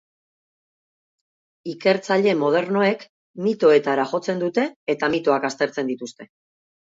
Ikertzaile modernoek mitoetara jotzen dute eta mitoak aztertzen dituzte.